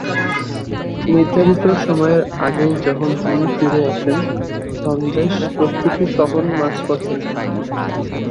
নির্ধারিত সময়ের আগেই যখন তিনি ফিরে আসেন সন্দেশ প্রস্তুতি তখন মাঝপথে।